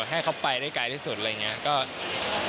ให้เขาไปได้ไกลที่สุดอะไรอย่างนี้